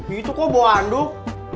itu kok bawa handuk